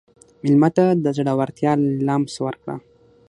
مېلمه ته د زړورتیا لمس ورکړه.